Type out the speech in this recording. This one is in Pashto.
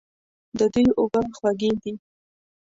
د دوی اوبه خوږې دي.